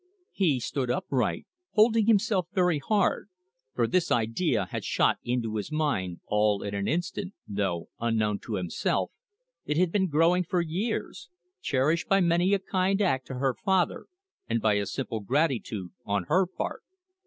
He stood upright, holding himself very hard, for this idea had shot into his mind all in an instant, though, unknown to himself, it had been growing for years, cherished by many a kind act to her father and by a simple gratitude on her part.